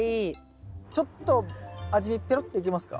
ちょっと味見ペロっていけますか？